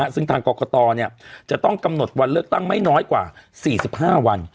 ซึ่งทางกรกตจะต้องกำหนดวันเลือกตั้งไม่น้อยกว่า๔๕วัน